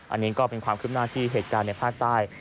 อันนี้ก็เป็นความคืบหน้าที่เหตุการณ์ในภาคใต้